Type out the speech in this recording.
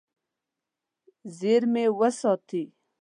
زیرمې وساتي.